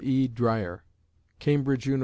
E. Dreyer (Cambridge Univ.